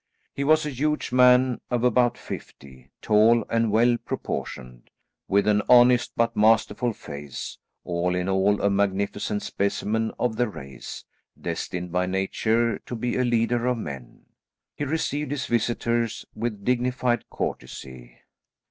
He was a huge man of about fifty, tall and well proportioned, with an honest but masterful face, all in all a magnificent specimen of the race, destined by nature to be a leader of men. He received his visitors with dignified courtesy.